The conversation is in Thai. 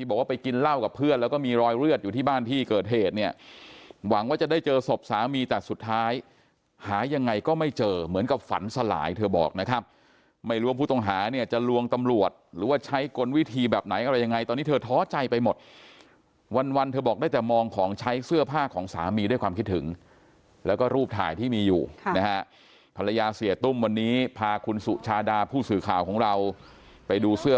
สุดท้ายหายังไงก็ไม่เจอเหมือนกับฝันสลายเธอบอกนะครับไม่รู้ว่าผู้ต้องหาเนี่ยจะลวงตำรวจหรือว่าใช้กลวิธีแบบไหนอะไรยังไงตอนนี้เธอท้อใจไปหมดวันเธอบอกได้แต่มองของใช้เสื้อผ้าของสามีด้วยความคิดถึงแล้วก็รูปถ่ายที่มีอยู่นะฮะภรรยาเสียตุ้มวันนี้พาคุณสุชาดาผู้สื่อข่าวของเราไปดูเสื้อ